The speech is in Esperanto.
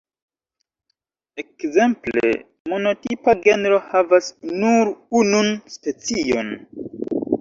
Ekzemple, monotipa genro havas nur unun specion.